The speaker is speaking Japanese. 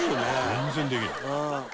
全然できない。